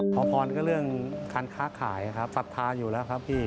ขอพรก็เรื่องการค้าขายครับศรัทธาอยู่แล้วครับพี่